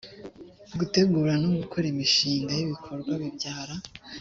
gutegura no gukora imishinga y ibikorwa bibyara